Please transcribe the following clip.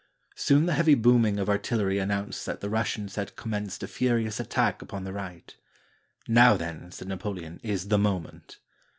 Soon the heavy booming of artillery announced that the Russians had commenced a furious attack upon the right. "Now, then," said Napoleon, "is the moment."